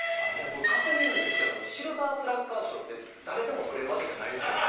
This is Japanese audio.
確認なんですけどシルバースラッガー賞って誰でも取れるわけじゃないですよね？